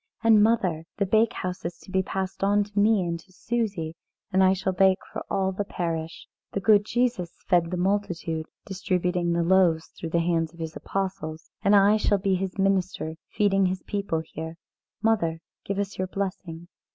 And, mother, the bakehouse is to be passed on to me and to Susie, and I shall bake for all the parish. The good Jesus fed the multitude, distributing the loaves through the hands of His apostles. And I shall be His minister feeding His people here. Mother, give us your blessing."